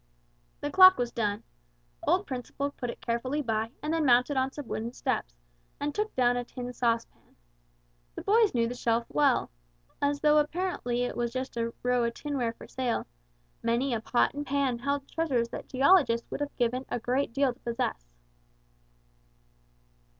The clock was done. Old Principle put it carefully by and then mounted on some wooden steps, and took down a tin saucepan. The boys knew the shelf well; as though apparently it was just a row of tinware for sale, many a pot and pan held treasures that geologists would have given a great deal to possess.